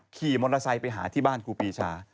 ขี่มอเตอร์ไซค์ไปหาที่บ้านครูปีชา